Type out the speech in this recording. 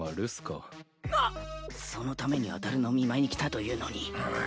そのためにあたるの見舞いに来たというのに。